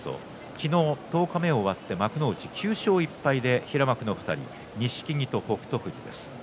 昨日、十日目終わって幕内９勝１敗で平幕の２人錦木と北勝富士です。